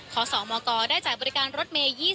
ขอสมกได้จ่ายบริการรถเมย์๒๐